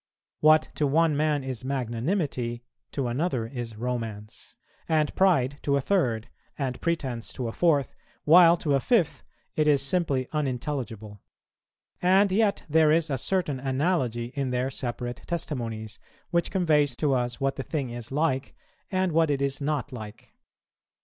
What to one man is magnanimity, to another is romance, and pride to a third, and pretence to a fourth, while to a fifth it is simply unintelligible; and yet there is a certain analogy in their separate testimonies, which conveys to us what the thing is like and what it is not like.